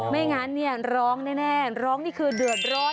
ไม่งั้นเนี่ยร้องแน่ร้องนี่คือเดือดร้อน